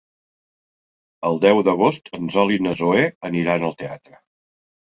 El deu d'agost en Sol i na Zoè aniran al teatre.